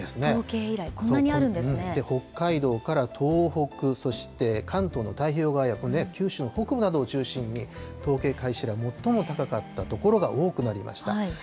統計以来、北海道から東北、そして関東の太平洋側やこれ、九州の北部などを中心に統計開始以来最も高かった所が多くなりました。